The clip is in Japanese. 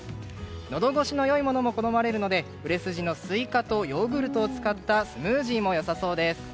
のど越しの良いものも好まれるので売れ筋のスイカとヨーグルトを使ったスムージーも良さそうです。